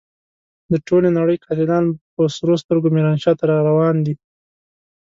د ټولې نړۍ قاتلان په سرو سترګو ميرانشاه ته را روان دي.